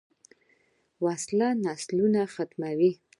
وسله نسل ختموي